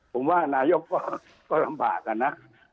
ผมว่านายกก็ลำบากอะนะ